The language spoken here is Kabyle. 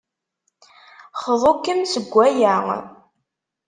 Xḍu-kem seg aya.